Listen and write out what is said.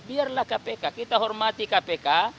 biarlah kpk kita hormati kpk